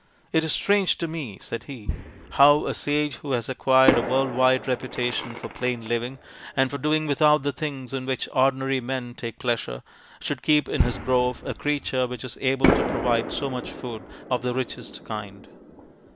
"It is strange to me," said he, " how a sage who has acquired a world wide reputation for plain living, and for doing without the things in which ordinary men take pleasure, should keep in his grove a creature which is able to provide so much food of the richest kind.